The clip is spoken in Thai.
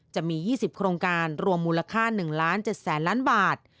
จะมี๒๐โครงการรวมมูลค่า๑ล้าน๗แสนล้านบาท